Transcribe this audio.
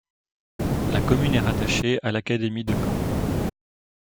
La commune est rattachée à l’académie de Caen.